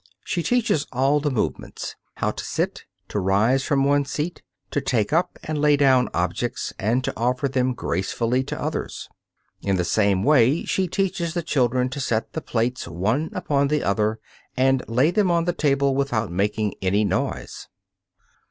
She teaches all the movements: how to sit, to rise from one's seat, to take up and lay down objects, and to offer them gracefully to others. In the same way she teaches the children to set the plates one upon the other and lay them on the table without making any noise.